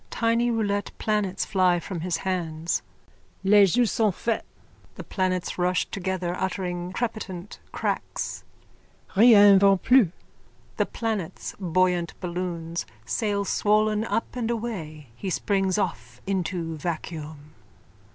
Tiny roulette planets fly from his hands.) Les jeux sont faits! (The planets rush together, uttering crepitant cracks.) Rien va plus! (The planets, buoyant balloons, sail swollen up and away. He springs off into vacuum.)